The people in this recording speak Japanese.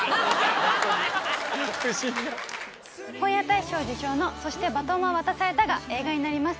本屋大賞受賞の『そして、バトンは渡された』が映画になります